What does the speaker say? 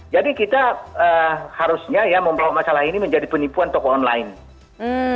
jadi kita harusnya ya membawa masalah ini menjadi penipuan toko online